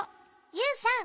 ユウさん。